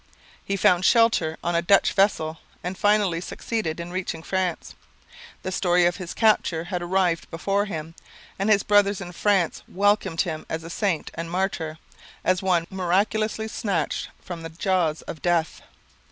He found shelter on a Dutch vessel and finally succeeded in reaching France. The story of his capture had arrived before him, and his brothers in France welcomed him as a saint and martyr, as one miraculously snatched from the jaws of death.